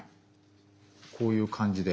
こういう感じで。